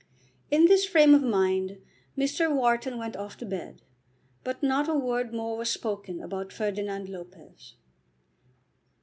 In this frame of mind Mr. Wharton went off to bed, but not a word more was spoken about Ferdinand Lopez.